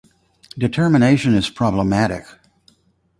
Determination is problematic.